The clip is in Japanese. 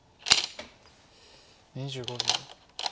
２５秒。